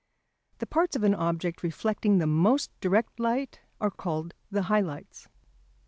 The parts of an object reflecting the most direct light are called the high lights.